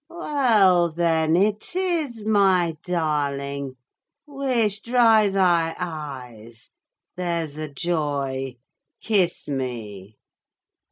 Well then, it is my darling! wisht, dry thy eyes—there's a joy; kiss me.